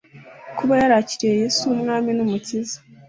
kuba yarakiriye Yesu nk Umwami n Umukiza